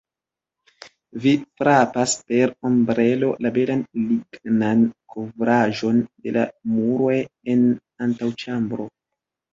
Vi frapas per ombrelo la belan lignan kovraĵon de la muroj en antaŭĉambro.